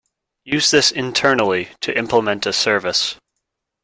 Use this internally to implement a service.